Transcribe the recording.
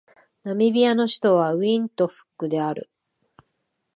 ナミビアの首都はウィントフックである